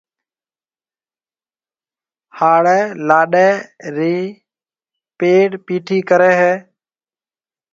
ھاݪيَ لاڏَي رِي پِيڙ پِيٺِي ڪريَ ھيََََ